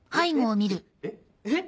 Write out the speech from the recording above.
えっえっ？